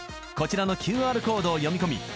こちらのＱＲコードを読みこみ